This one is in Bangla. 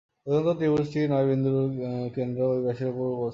অধিকন্তু ত্রিভুজটির নয়-বিন্দুর কেন্দ্র ঐ ব্যাসের উপর অবস্থান করে।